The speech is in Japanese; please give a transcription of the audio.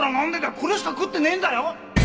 これしか食ってねえんだよ！？